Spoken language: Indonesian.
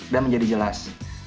dan menjadi jelas